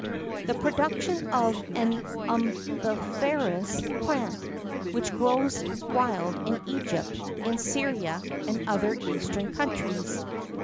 The production of an umbelliferous plant, which grows wild in Egypt, in Syria, and other eastern countries.